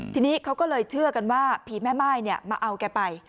ทีนี้เขาก็เลยเชื่อกันว่าผีแม่ม่ายมาเอาแกไป